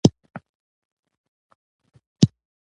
اوس زموږ په ملي ارشیف کې ډېر ارزښتناک اثار خوندي دي.